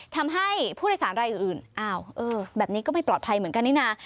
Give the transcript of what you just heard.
ทำให้ผู้โดยสารรายอื่นอ้าวแบบนี้ก็ไม่ปลอดภัยเหมือนกันนี่นะ